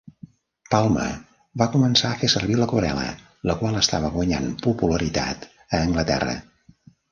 Palmer va començar a fer servir l'aquarel·la, la qual estava guanyant popularitat a Anglaterra.